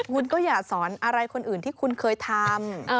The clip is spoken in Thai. คุณก็อย่าสอนอะไรคนอื่นที่คุณเคยทำ